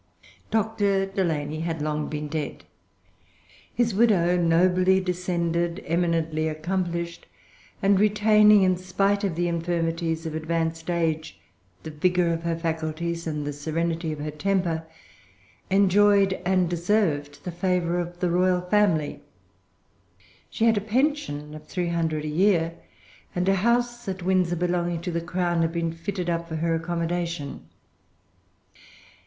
Dr. Delany had long been dead. His widow, nobly descended, eminently accomplished, and retaining, in spite of the infirmities of advanced age, the vigor of her faculties and the serenity of her temper, enjoyed and deserved the favor of the royal family. She had a pension of three hundred a year; and a house at Windsor, belonging to the Crown, had been fitted up for her accommodation.